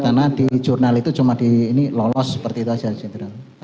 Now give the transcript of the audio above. karena di jurnal itu cuma lolos seperti itu saja